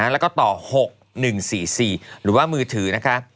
แล้วก็ต่อ๖๑๔๔หรือว่ามือถือ๐๖๓๑๙๕๘๐๐๑